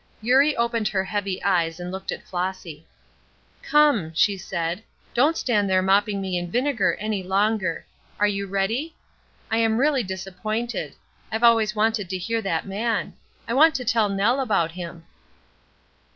Eurie opened her heavy eyes and looked at Flossy. "Come," she said, "don't stand there mopping me in vinegar any longer. Are you ready? I am really disappointed. I've always wanted to hear that man. I want to tell Nel about him."